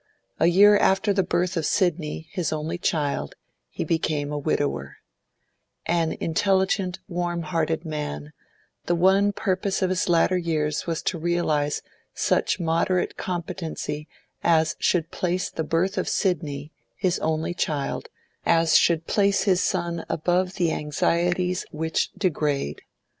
A year after the birth of Sidney, his only child, he became a widower. An intelligent, warm hearted man, the one purpose of his latter years was to realise such moderate competency as should place his son above the anxieties which degrade.